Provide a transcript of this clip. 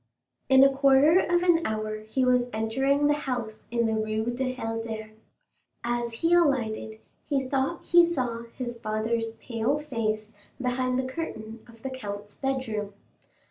In a quarter of an hour he was entering the house in the Rue du Helder. As he alighted, he thought he saw his father's pale face behind the curtain of the count's bedroom.